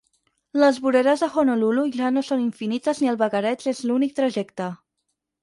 Les voreres de Honolulu ja no són infinites ni el vagareig és l'únic trajecte.